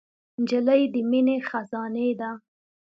نجلۍ د مینې خزانې ده.